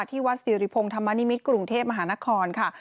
ที่วัดสิริพงศ์ธรรมนิมิตรกรุงเทพมหานครค่ะ